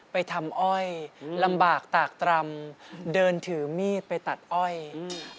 ไปทำอ้อยลำบากตากตรำเดินถือมีดไปตัดอ้อยอืม